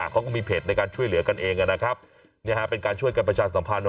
เขาก็มีเพจในการช่วยเหลือกันเองนะครับเป็นการช่วยกันประชาสัมพันธ์